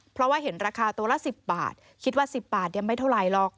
เพราะว่าเห็นราคาตัวละ๑๐บาทคิดว่า๑๐บาทยังไม่เท่าไหร่หรอก